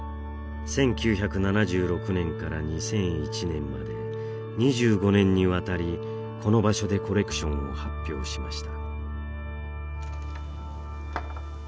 １９７６年から２００１年まで２５年にわたりこの場所でコレクションを発表しました